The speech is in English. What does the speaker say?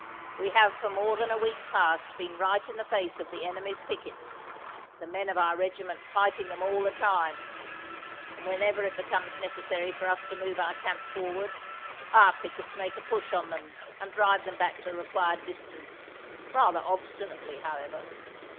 We have for more than a week past been right in the face of the enemy's pickets, the men of our regiment fighting them all the time; and whenever it becomes necessary for us to move our camp forward, our pickets make a push on them and drive them back the required distance, rather obstinately however.